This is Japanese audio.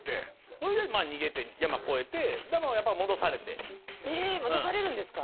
ほいで逃げて山越えてでもやっぱり戻されてえ戻されるんですか？